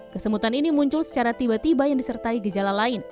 kesemutan ini muncul secara tiba tiba yang disertai gejala lain